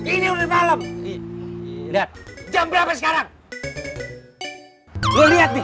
ini udah malam dan jam berapa sekarang